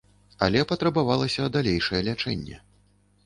Але патрабавалася далейшае лячэнне.